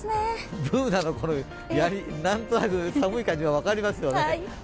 Ｂｏｏｎａの、何となく寒い感じ分かりますよね。